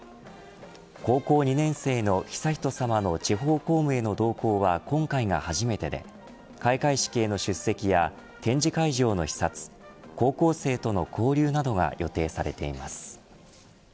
高校２年生の悠仁さまの地方公務への同行は今回が初めてで開会式への出席や展示会場の視察高校生との交流などが予定されています。